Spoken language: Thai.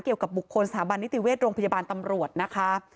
เกี่ยวกับบุคคลสถาบันนิติเวชโรงพยาบาลตำรวจนะคะ